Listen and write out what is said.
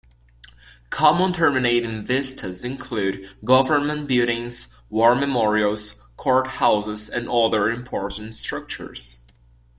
Common terminating vistas include government buildings, war memorials, courthouses and other important structures.